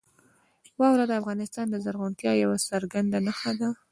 واوره د افغانستان د زرغونتیا یوه څرګنده نښه ده.